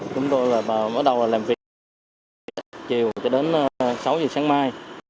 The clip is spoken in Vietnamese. chúng tôi bắt đầu làm việc từ chiều đến sáu giờ sáng mai